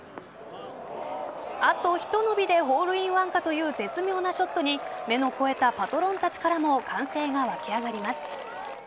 あとひと伸びでホールインワンかという絶妙なショットに目の肥えたパトロンたちからも歓声が沸きあがります。